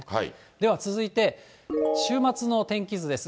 では続いて、週末の天気図です。